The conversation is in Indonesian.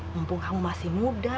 mumpung kamu masih muda